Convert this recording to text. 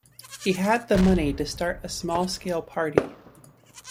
He had the money to start a small-scale party.